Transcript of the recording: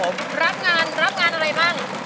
รับงานรับงานอะไรบ้าง